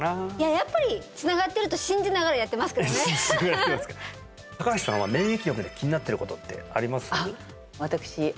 やっぱり信じながらやってますか高橋さんは免疫力で気になってることってあります？